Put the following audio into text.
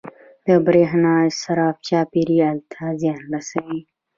• د برېښنا اسراف چاپېریال ته زیان رسوي.